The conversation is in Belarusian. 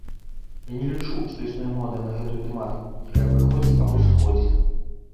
Я не лічу, што існуе мода на гэтую тэматыку, якая прыходзіць або сыходзіць.